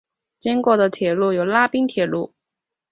经过的铁路有拉滨铁路。